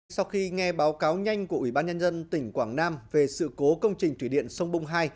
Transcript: sau khi nghe báo cáo nhanh của ủy ban nhân dân tỉnh quảng nam về sự cố công trình thủy điện sông bung hai